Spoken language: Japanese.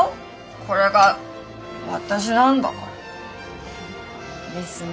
これが私なんだから。ですね。